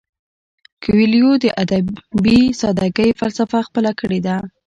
کویلیو د ادبي ساده ګۍ فلسفه خپله کړې ده.